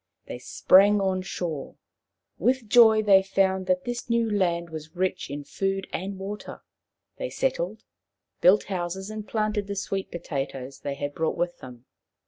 They sprang on shore. With joy they foui d that this new land was rich in food and water. They settled, built houses, and planted the sweet potatoes they had brought with them.